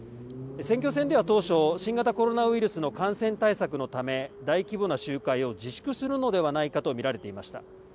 選挙戦では、当初新型コロナウイルスの感染対策のため大規模な集会を自粛するのではないかとみられています。